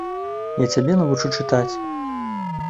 Я цябе навучу чытаць.